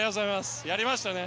やりましたね。